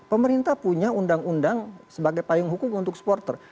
pemerintah punya undang undang sebagai payung hukum untuk supporter